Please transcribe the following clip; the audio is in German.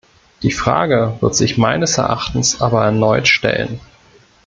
Die Frage wird sich meines Erachtens aber erneut stellen.